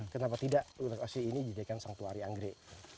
kenapa tidak untuk asli ini dijadikan sangtuari anggrek